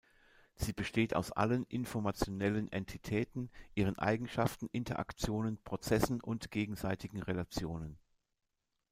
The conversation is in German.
Sie besteht aus allen informationellen Entitäten, ihren Eigenschaften, Interaktionen, Prozessen und gegenseitigen Relationen.